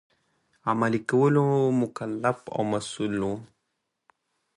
عملي کولو مکلف او مسوول وو.